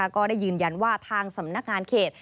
ก็ได้ยืนยันว่าทางสำนักงานเขต